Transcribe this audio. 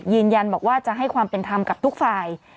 ยืนยันบอกว่าจะให้ความเป็นธรรมกับทุกฝ่าย